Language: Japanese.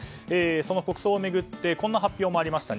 その国葬を巡ってこんな発表もありました。